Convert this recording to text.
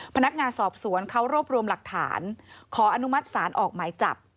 พนักงานสอบสวนเขารวบรวมหลักฐานขออนุมัติศาลออกหมายจับ